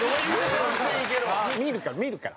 見るから見るから。